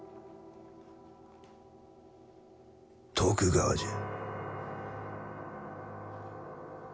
徳川じゃ。